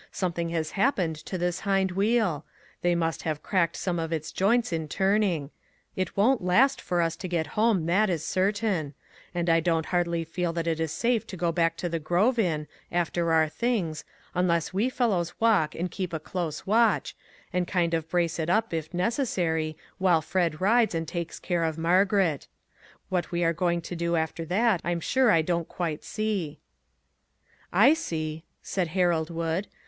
Something has happened to this hind wheel; they must have cracked some of its joints in turning; it won't last for us to get home, that is certain; and I don't hardly feel that it is safe to go back to the grove in, after our things, unless we fellows walk and keep a close watch, and kind of brace 239 MAG AND MARGARET it up, if necessary, while Fred rides, and takes care of Margaret. What we are going to do after that, I'm sure I don't quite see." " I see," said Harold Wood.